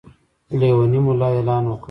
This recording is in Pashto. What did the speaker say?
لېونی ملا اعلان وکړ.